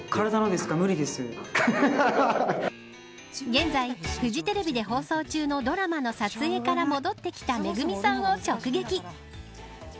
現在、フジテレビで放送中のドラマの撮影から戻ってきたＭＥＧＵＭＩさんを直撃。